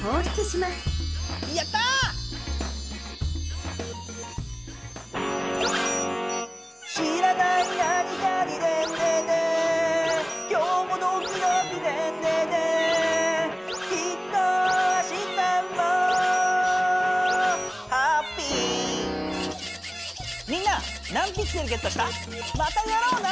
またやろうな。